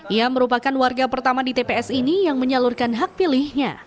ia merupakan warga pertama di tps ini yang menyalurkan